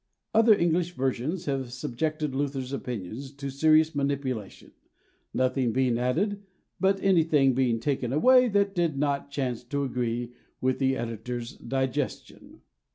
Other English versions have subjected Luther's opinions to serious manipulation, nothing being added, but anything being taken away that did not chance to agree with the editor's digestion.